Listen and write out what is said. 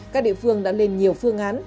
các địa phương đã lên nhiều phương án